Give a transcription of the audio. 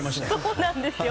そうなんですよ。